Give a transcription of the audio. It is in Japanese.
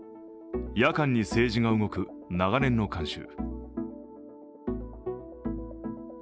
夜間に政治が動く長年の慣習。